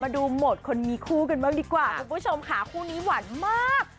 ดูโหมดคนมีคู่กันบ้างดีกว่าคุณผู้ชมค่ะคู่นี้หวานมาก